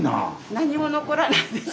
何も残らないです